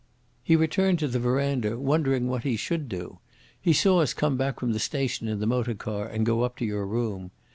"He returned to the verandah wondering what he should do. He saw us come back from the station in the motor car and go up to your room.